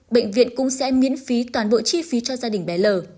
bệnh viện cũng sẽ miễn phí toàn bộ chi phí cho gia đình bé lờ